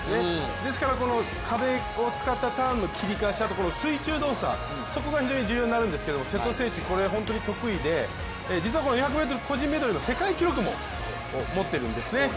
ですからこの壁を使ったターンの切り返し、あと水中動作、そこが非常に重要になるんですけど瀬戸選手、これ本当に得意で、４００ｍ個人メドレーの世界記録も持っているんですね。